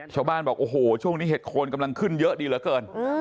ชาวบ้านบอกโอ้โหช่วงนี้เห็ดโคนกำลังขึ้นเยอะดีเหลือเกิน